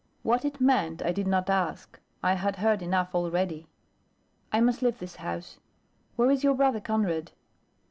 What it meant I did not ask, I had heard enough already. "I must leave this house. Where is your brother Conrad?"